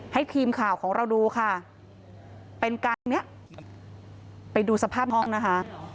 ให้ทีมข่าวของเราดูค่ะเป็นการเนี้ยไปดูสภาพห้องนะคะ